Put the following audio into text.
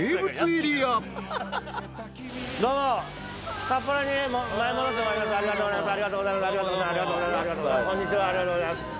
ありがとうございます。